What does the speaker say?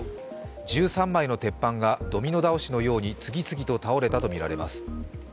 １３枚の鉄板が次々とドミノ倒しのように次々と倒れたとみられます。